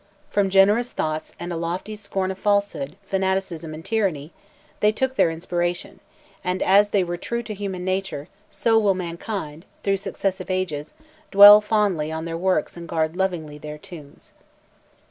From generous thoughts and a lofty scorn of falsehood, fanaticism and tyranny, they took their inspiration; and as they were true to human nature, so will mankind, through successive ages, dwell fondly on their works and guard lovingly their tombs.